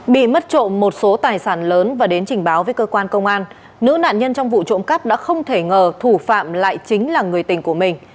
bị mất trộm một số tài sản lớn và đến trình báo với cơ quan công an nữ nạn nhân trong vụ trộm cắp đã không thể ngờ thủ phạm lại chính là người tình của mình